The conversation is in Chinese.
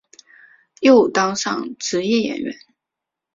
又当上职业演员。